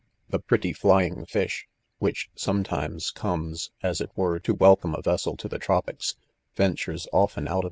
. The. prettj flying fist, which sometimes. eomes ? as it ware, to welcome & vessel to the tropics^ ventures often out ©if.